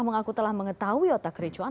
mengaku telah mengetahui otak kericuan